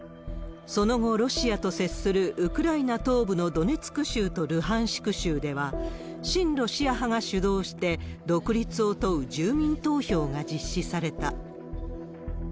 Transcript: その後、ロシアと接するウクライナ東部のドネツク州とルハンシク州では、親ロシア派が主導して独立を問う住民投票が実施された。